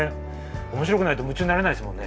おもしろくないと夢中になれないですもんね。